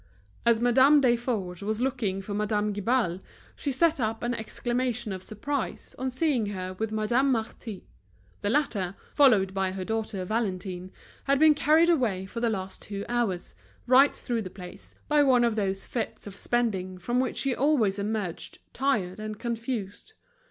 As Madame Desforges was looking for Madame Guibal, she set up an exclamation of surprise on seeing her with Madame Marty. The latter, followed by her daughter Valentine, had been carried away for the last two hours, right through the place, by one of those fits of spending from which she always emerged tired and confused.